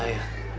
saya mau berubah